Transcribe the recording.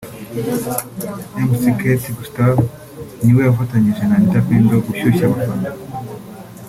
Mc Kate Gustave niwe wafatanyije na Anita Pendo gushyushya abafana